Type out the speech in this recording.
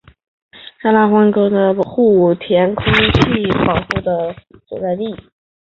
沙田官立中学亦是香港环境保护署的沙田空气质素监测站所在地。